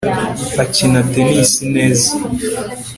akina tennis neza